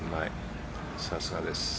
さすがです。